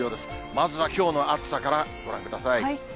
まずはきょうの暑さからご覧ください。